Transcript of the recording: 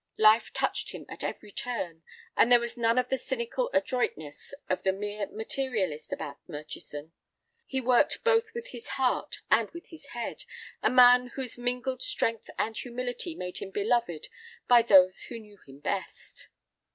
Life touched him at every turn, and there was none of the cynical adroitness of the mere materialist about Murchison. He worked both with his heart and with his head, a man whose mingled strength and humility made him beloved by those who knew him best.